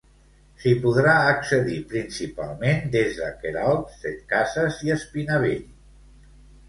S'hi podrà accedir principalment des de Queralbs, Setcases i Espinavell.